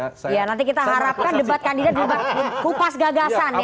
iya nanti kita harapkan debat kandidat kupas gagasan ya